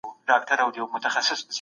دلايل د ارقامو په وسيله ثابت سول.